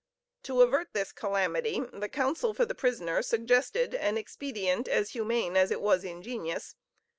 To avert this calamity, the counsel for the prisoner suggested an expedient as humane as it was ingenious.